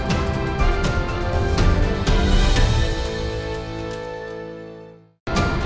kalau ada atlet tuh saya pengen banget bisa dapat medali emas